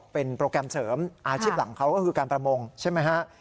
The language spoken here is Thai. เป็นโปรแกรมเสริมอาชีพหลังเขาก็คือการประมงใช่ไหมฮะ